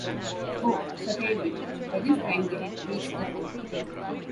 ‘Oh, certainly.’ By this time they had reached the road.